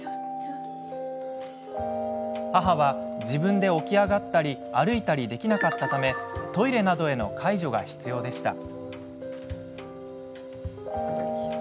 母は自分で起き上がったり歩いたりできなかったためトイレなどへの介助が必要でした。